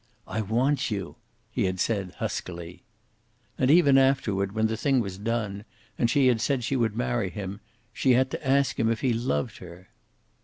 "I want you," he had said, huskily. And even afterward, when the thing was done, and she had said she would marry him, she had to ask him if he loved her.